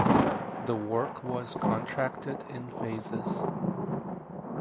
The work was contracted in phases.